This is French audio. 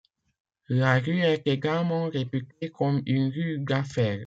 La rue est également réputée comme une rue d'affaires.